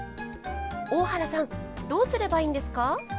大原さんどうすればいいんですか？